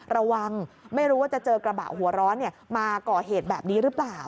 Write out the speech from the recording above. ระวังไม่รู้ว่าจะเจอกระบะหัวร้อนมาก่อเหตุแบบนี้หรือเปล่า